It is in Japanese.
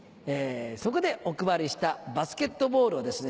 そこでお配りしたバスケットボールをですね